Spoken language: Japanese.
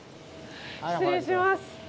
失礼します。